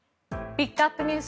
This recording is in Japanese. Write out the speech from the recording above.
ピックアップＮＥＷＳ